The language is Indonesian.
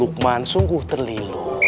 lukman sungguh terlilu